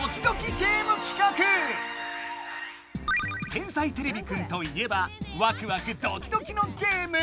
「天才てれびくん」といえばワクワクドキドキのゲーム。